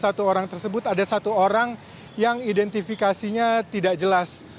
karena dari list dua puluh satu orang tersebut ada satu orang yang identifikasinya tidak jelas